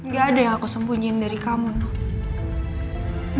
gak ada yang aku sembunyiin dari kamu